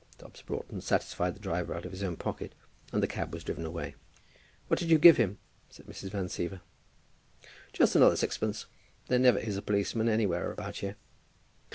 Dobbs Broughton satisfied the driver out of his own pocket, and the cab was driven away. "What did you give him?" said Mrs. Van Siever. "Just another sixpence. There never is a policeman anywhere about here."